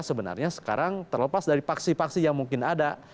sebenarnya sekarang terlepas dari paksi paksi yang mungkin ada